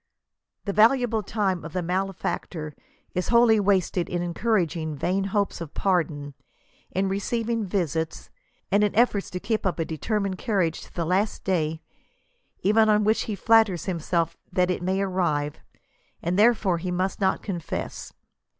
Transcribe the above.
" The valuable time of the malefactor is wholly wasted in encouraging vain hopes of pardon, in receiving visits, and in efforts to keep up a determined carriage to the last day, even on which be flatters himself that it may arrive, and therefore he must not confess.